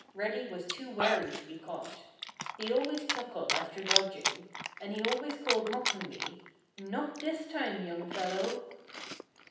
Reddy was too wary to be caught. He always chuckled after dodging. And he always called mockingly, "Not this time, young fellow!"